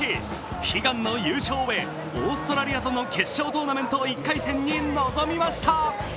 悲願の優勝へオーストラリアとの決勝トーナメント１回戦に臨みました。